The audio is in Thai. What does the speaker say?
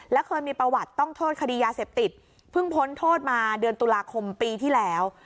และเคยมีประวัติต้องโทษคดียาเสพติดเพิ่งพ้นโทษมาเดือนตุลาคมปีที่แล้ว